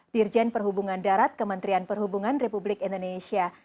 dirjen perhubungan darat kementerian perhubungan republik indonesia